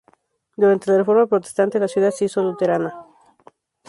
Durante la Reforma Protestante, la ciudad se hizo luterana.